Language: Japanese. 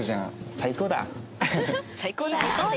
「最高だ！」。